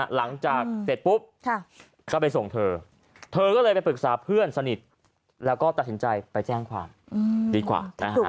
หลังจากเสร็จปุ๊บก็ไปส่งเธอเธอก็เลยไปปรึกษาเพื่อนสนิทแล้วก็ตัดสินใจไปแจ้งความดีกว่านะฮะ